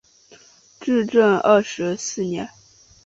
至正二十四年。